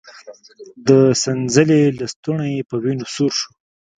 د څنځلې لستوڼی يې په وينو سور شو.